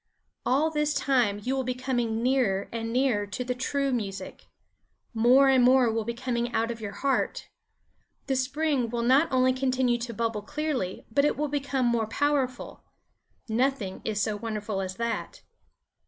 All this time you will be coming nearer and nearer to the true music. More and more will be coming out of your heart. The spring will not only continue to bubble clearly but it will become more powerful. Nothing is so wonderful as that.